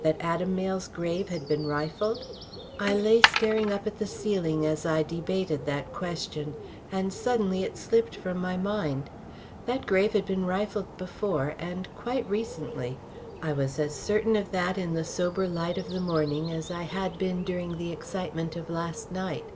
That Adam Mayle's grave had been rifled? I lay staring up at the ceiling as I debated that question, and suddenly it slipped from my mind. That grave had been rifled before, and quite recently. I was as certain of that in the sober light of the morning as I had been during the excitement of last night.